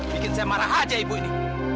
bikin saya marah aja ibu ini